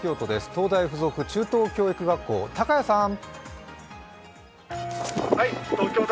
東大附属中等教育学校、高屋さん。